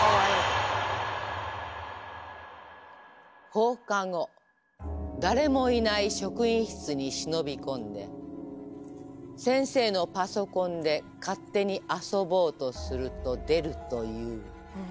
放課後誰もいない職員室に忍び込んで先生のパソコンで勝手に遊ぼうとすると出るという。